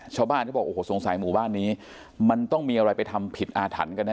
เขาบอกโอ้โหสงสัยหมู่บ้านนี้มันต้องมีอะไรไปทำผิดอาถรรพ์กันแน